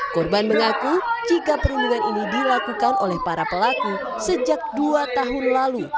korban mengaku jika perundungan ini dilakukan oleh para pelaku sejak dua tahun lalu